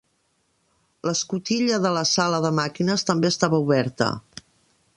L'escotilla de la sala de màquines també estava oberta.